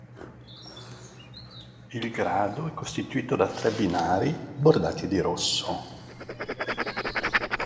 Il grado è costituito da tre binari bordati di rosso.